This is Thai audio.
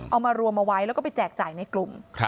เอามารวมเอาไว้แล้วก็ไปแจกจ่ายในกลุ่ม